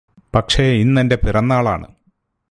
പക്ഷേ ഇന്നെന്റെ പിറന്നാളാണ്